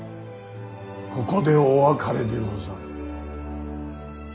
ここでお別れでござる。